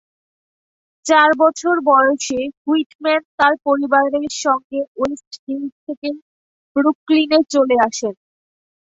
চার বছর বয়সে হুইটম্যান তার পরিবারের সঙ্গে ওয়েস্ট হিলস থেকে ব্রুকলিনে চলে আসেন।